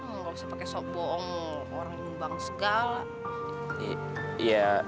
nggak usah pakai sok bohong orang ini bang segala